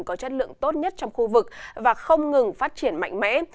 có chất lượng tốt nhất trong khu vực và không ngừng phát triển mạnh mẽ